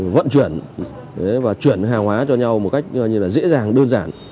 vận chuyển chuyển hàng hóa cho nhau dễ dàng đơn giản